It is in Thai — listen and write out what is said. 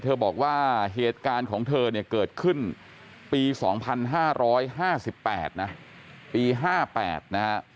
บอกว่าเหตุการณ์ของเธอเนี่ยเกิดขึ้นปี๒๕๕๘นะปี๕๘นะฮะ